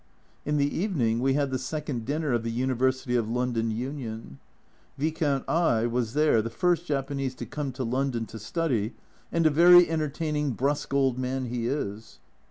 In the evening we had the second dinner of the University of London Union. Viscount / was there, the first Japanese to come to London to study, and a very entertaining brusque old man he is